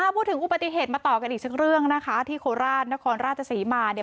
พูดถึงอุบัติเหตุมาต่อกันอีกสักเรื่องนะคะที่โคราชนครราชศรีมาเนี่ย